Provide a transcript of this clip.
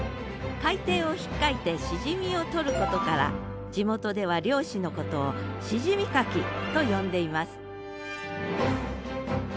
海底をひっかいてシジミをとることから地元では漁師のことを「シジミ掻き」と呼んでいます